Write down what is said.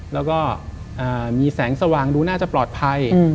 แล้วก็มีแสงสว่างดูน่าจะปลอดภัย